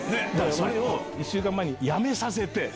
それを２週間前にやめさせて。